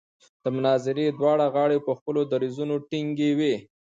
د مناظرې دواړه غاړې په خپلو دریځونو ټینګې وې.